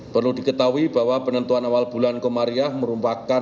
perlu diketahui bahwa penentuan awal bulan komariah merupakan